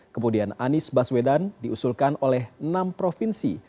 kemudian anies baswedan diusulkan oleh enam provinsi